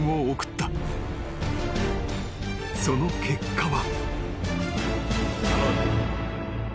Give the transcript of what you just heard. ［その結果は］